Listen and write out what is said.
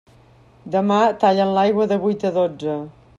Demà tallen l'aigua de vuit a dotze.